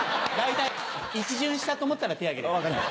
一巡したと思ったら手上げれば。